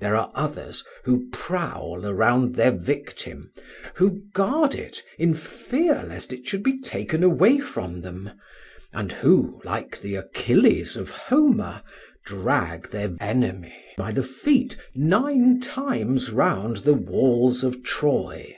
There are others who prowl around their victim, who guard it in fear lest it should be taken away from them, and who, like the Achilles of Homer, drag their enemy by the feet nine times round the walls of Troy.